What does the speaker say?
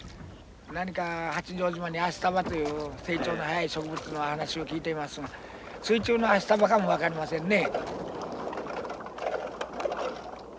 何か八丈島にアシタバという成長の早い植物の話を聞いていますが水中のアシタバかも分かりませんね。